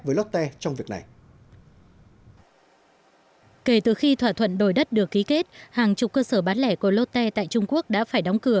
với lotte trong việc này kể từ khi thỏa thuận đổi đất được ký kết hàng chục cơ sở bán lẻ của lotte tại trung quốc đã gây sức ép với lotte trong việc này